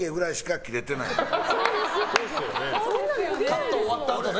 カット終わったあとね。